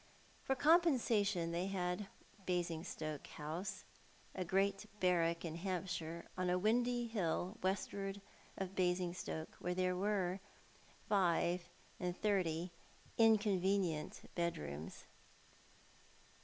For compensation they had Basingstoke House, a great barrack in Hampshire, on a windy hill westward of Basingstoke, where there were five and thirty inconvenient bedrooms.